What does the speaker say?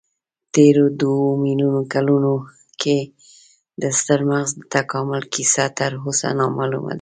تېرو دوو میلیونو کلونو کې د ستر مغز د تکامل کیسه تراوسه نامعلومه ده.